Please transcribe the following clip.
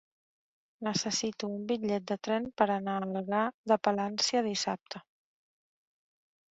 Necessito un bitllet de tren per anar a Algar de Palància dissabte.